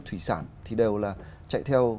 thủy sản thì đều là chạy theo